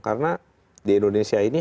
karena di indonesia ini